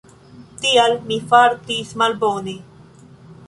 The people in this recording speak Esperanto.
Tial mi fartis malbone.